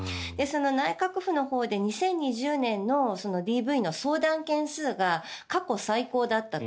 内閣府のほうで２０２０年のＤＶの相談件数が過去最高だったと。